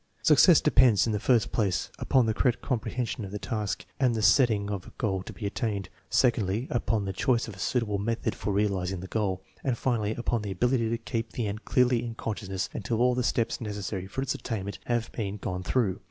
Success depends, in the first place, upon the correct comprehension of the task and the setting of a goal to be attained; secondly, upon the choice of a suitable method for realizing the goal; and finally, upon the ability to keep the end clearly in consciousness until all the steps necessary for its attainment have been gone through.